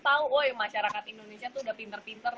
tau woy masyarakat indonesia tuh udah pinter pinter